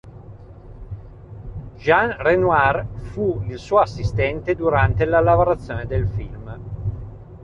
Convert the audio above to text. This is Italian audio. Jean Renoir fu il suo assistente durante la lavorazione del film.